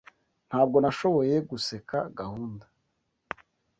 Ntabwo nashoboye guseka gahunda.